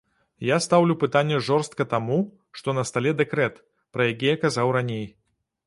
Я стаўлю пытанне жорстка таму, што на стале дэкрэт, пра які я казаў раней.